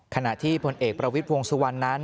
ขณะที่พลเอกประวิทย์วงสุวรรณนั้น